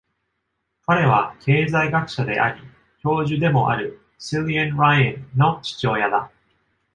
彼は経済学者であり教授でもある、Cillian Ryan の父親だ。